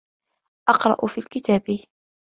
أَقْرَأُ فِي الْكِتَابِ.